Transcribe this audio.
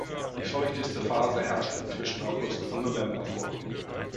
Die feuchteste Phase herrscht zwischen August und November vor.